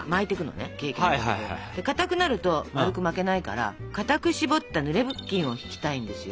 でかたくなると丸く巻けないからかたく絞ったぬれ布巾を敷きたいんですよ。